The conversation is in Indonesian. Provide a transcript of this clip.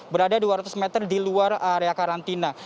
berada dua ratus meter di luar area karantina